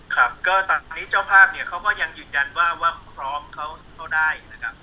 ครับก็ตอนนี้เจ้าภาพเนี่ยเขาก็ยังยืนยันว่าว่าพร้อมเขาได้นะครับ